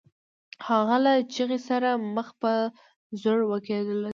هغه له چيغې سره مخ په ځوړ وکوليد.